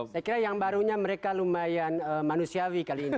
saya kira yang barunya mereka lumayan manusiawi kali ini